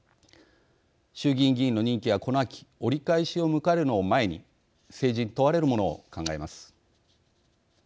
衆議院議員の任期が、この秋折り返しを迎えるのを前に政治に問われるものを考えます。